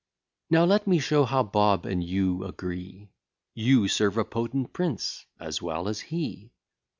Now let me show how Bob and you agree: You serve a potent prince, as well as he.